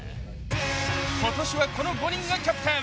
今年はこの５人がキャプテン。